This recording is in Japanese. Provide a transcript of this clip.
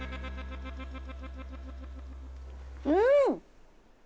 うん！